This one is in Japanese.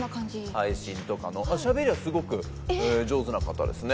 配信とかのしゃべりはすごく上手な方ですね。